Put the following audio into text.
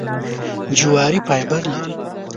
جواري فایبر لري .